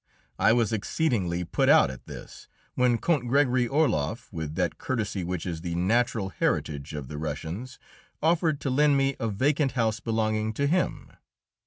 I was exceedingly put out at this, when Count Gregory Orloff, with that courtesy which is the natural heritage of the Russians, offered to lend me a vacant house belonging to him.